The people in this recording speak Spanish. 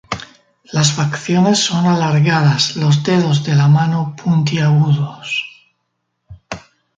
Las facciones son alargadas, los dedos de la mano puntiagudos.